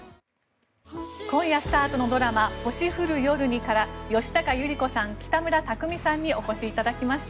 今夜スタートのドラマ「星降る夜に」から吉高由里子さん、北村匠海さんにお越しいただきました。